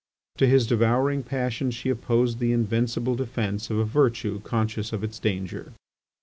To his devouring passion she opposed the invincible defence of a virtue conscious of its danger.